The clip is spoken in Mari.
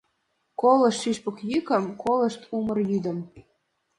Колышт шӱшпык йӱкым, колышт умыр йӱдым.